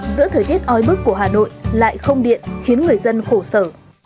giữa thời tiết oi bức của hà nội lại không điện khiến người dân khổ sở